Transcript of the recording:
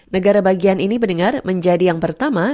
negara bagian ini beningar menjadi yang pertama